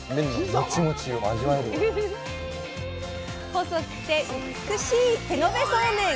細くて美しい手延べそうめん！